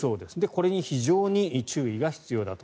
これに非常に注意が必要だと。